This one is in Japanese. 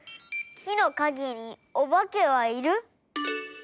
きのかげにおばけはいる？